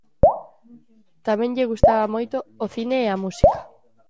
Tamén lle gustaba moito o cine e a música.